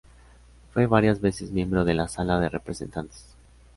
Fue varias veces miembro de la Sala de Representantes.